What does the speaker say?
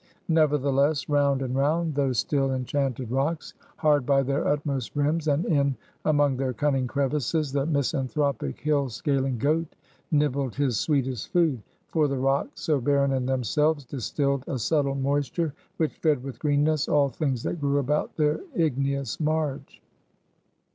Nevertheless, round and round those still enchanted rocks, hard by their utmost rims, and in among their cunning crevices, the misanthropic hill scaling goat nibbled his sweetest food; for the rocks, so barren in themselves, distilled a subtile moisture, which fed with greenness all things that grew about their igneous marge.